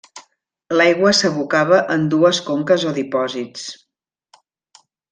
L'aigua s'abocava en dues conques o dipòsits.